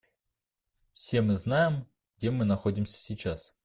Все мы знаем, где мы находимся сейчас.